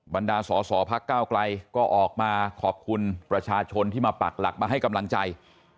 บรรดาสอสอพักก้าวไกลก็ออกมาขอบคุณประชาชนที่มาปักหลักมาให้กำลังใจ